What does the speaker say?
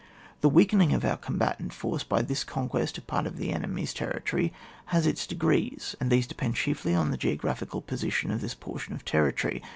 This weakening of our combatant force by the conquest of part of the enemy's territory has its degrees, and these depend chiefly on the geographical poaition of this portion of territory.